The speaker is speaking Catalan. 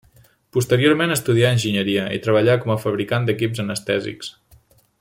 Posteriorment estudià Enginyeria i treballa com a fabricant d'equips anestèsics.